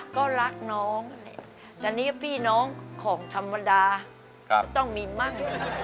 ก็รักน้องแต่นี่พี่น้องของธรรมดาต้องมีมั่ง